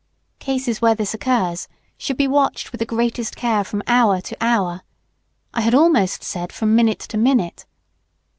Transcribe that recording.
Cases where this occurs should be watched with the greatest care from hour to hour, I had almost said from minute to minute.